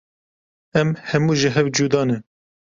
Em hemû ji hev cuda ne.